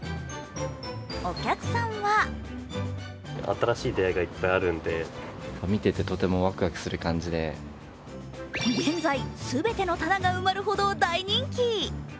お客さんは現在、全ての棚が埋まるほど大人気。